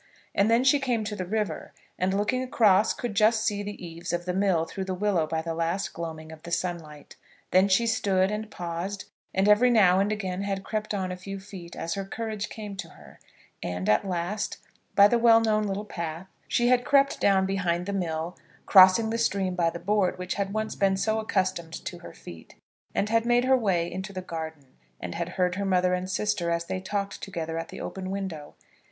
And then she came to the river, and looking across could just see the eaves of the mill through the willows by the last gloaming of the sunlight. Then she stood and paused, and every now and again had crept on a few feet as her courage came to her, and at last, by the well known little path, she had crept down behind the mill, crossing the stream by the board which had once been so accustomed to her feet, and had made her way into the garden and had heard her mother and sister as they talked together at the open window.